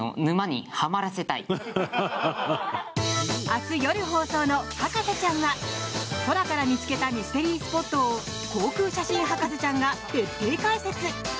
明日夜放送の「博士ちゃん」は空から見つけたミステリースポットを航空写真博士ちゃんが徹底解説。